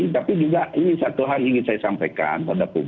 tapi juga satu hal ingin saya sampaikan